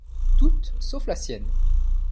Toutes sauf la sienne.